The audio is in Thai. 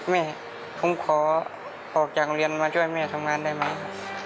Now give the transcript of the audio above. แม่ผมขอออกจากโรงเรียนมาช่วยแม่ทำงานได้ไหม